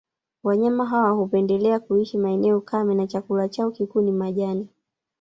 Wanyama hawa hupendelea kuishi maeneo kame na chakula chao kikuu ni majani